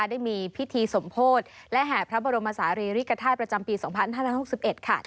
ได้มีพิธีสมโพธิ์และแห่พระบรมศาลีริกธาตุประจำปีสองพันห้าน้ำหกสิบเอ็ดค่ะครับ